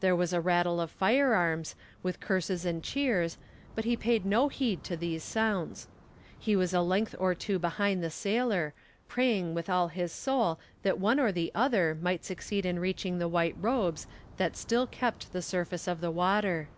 There was a rattle of firearms, with curses and cheers, but he paid no heed to these sounds. He was a length or two behind the sailor, praying with all his soul that one or the other might succeed in reaching the white robes that still kept the surface of the water.